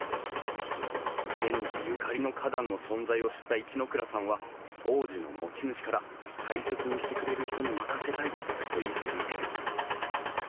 賢治ゆかりの花壇の存在を知った一ノ倉さんは当時の持ち主から大切にしてくれる人に任せたいと譲り受ける。